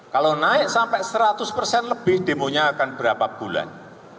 kalau naik sampai seratus persen lebih demonya akan berapa bulan